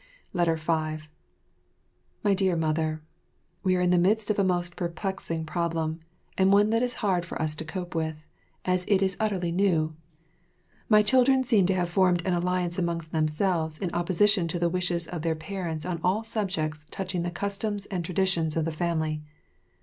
5 My Dear Mother, We are in the midst of a most perplexing problem, and one that is hard for us to cope with, as it is so utterly new. My children seem to have formed an alliance amongst themselves in opposition to the wishes of their parents on all subjects touching the customs and traditions of the family.